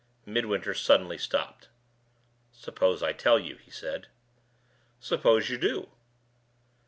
Midwinter suddenly stopped. "Suppose I tell you?" he said. "Suppose you do?"